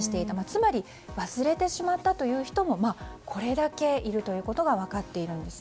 つまり忘れてしまったという人もこれだけいるということが分かっているんです。